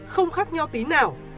không khác nhau tí nào